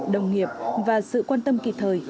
đồng nghiệp và sự quan tâm kịp thời